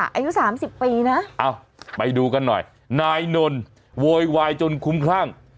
อายุสามสิบปีนะเอ้าไปดูกันหน่อยนายนนโวยวายจนคุ้มคลั่ง